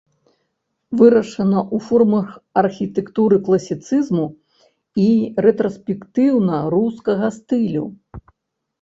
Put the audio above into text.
Вырашана ў формах архітэктуры класіцызму і рэтраспектыўна-рускага стылю.